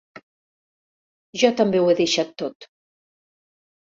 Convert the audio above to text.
Jo també ho he deixat tot.